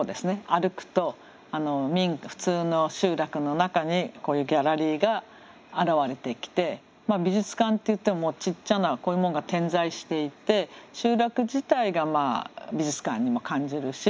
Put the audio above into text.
歩くと普通の集落の中にこういうギャラリーが現れてきて美術館っていってもちっちゃなこういうもんが点在していて集落自体が美術館にも感じるし。